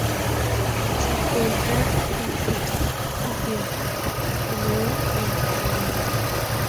Se encuentra en Etiopía, Camerún y en Uganda.